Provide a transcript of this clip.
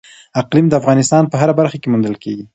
اقلیم د افغانستان په هره برخه کې موندل کېږي.